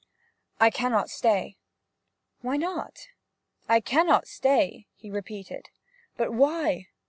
'I cannot stay.' 'Why not?' 'I cannot stay,' he repeated. 'But why?'